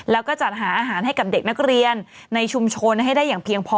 แล้วก็จัดหาอาหารให้กับเด็กนักเรียนในชุมชนให้ได้อย่างเพียงพอ